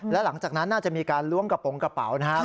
และหลังจากนั้นน่าจะมีการล้วงกระโปรงกระเป๋านะครับ